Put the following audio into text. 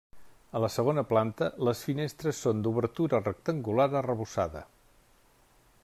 A la segona planta, les finestres són d'obertura rectangular arrebossada.